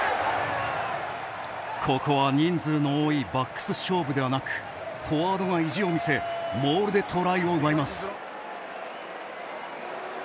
ここは人数の多いバックス勝負ではなくフォワードが意地を見せモールでトライを奪います。